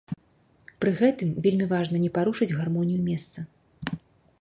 Пры гэтым вельмі важна не парушыць гармонію месца.